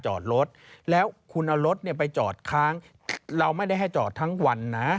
ใช่หน้าบ้าน